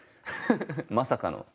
まさかの。